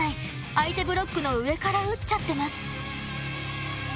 相手ブロックの上から打っちゃってます。